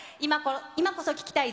今こそ聴きたい！